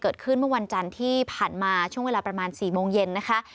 เมื่อวันจันทร์ที่ผ่านมาช่วงเวลาประมาณ๔โมงเย็นนะคะ